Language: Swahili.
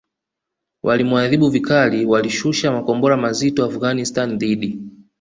walimuadhibu vikali Walishusha makombora mazito Afghanistan dhidi